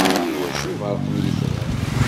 Iwacu berrqen yitran?